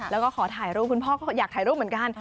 แล้วก็ขอถ่ายรูปคุณพ่อก็อยากถ่ายรูปเหมือนกัน